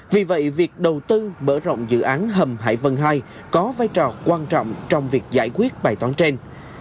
vì vậy việc đầu tư mở rộng dự án hầm hải vân hai có vai trò quan trọng trong việc giải quyết bài toán trên